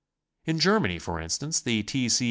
In Germany, for instance, T. C.